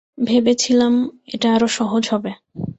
ভেবেছিলাম এটা আরো সহজ হবে।